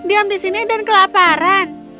diam di sini dan kelaparan